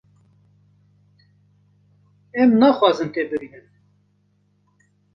Em naxwazin te bibînin.